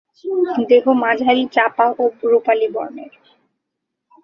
দেহ মাঝারি চাপা ও রুপালি বর্ণের।